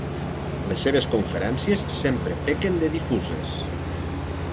Les seves conferències sempre pequen de difuses.